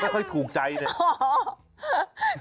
ค่อยถูกใจเนี่ย